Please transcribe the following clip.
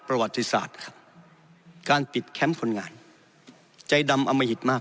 ประวัติศาสตร์ครับการปิดแคมป์คนงานใจดำอมหิตมาก